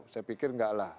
saya pikir enggak lah